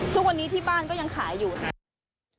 ทุกวันนี้ที่บ้านก็ยังขายอยู่ค่ะ